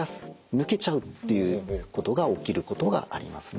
抜けちゃうということが起きることがありますね。